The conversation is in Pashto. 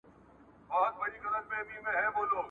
چا یې پښې چا ګودړۍ ورمچوله `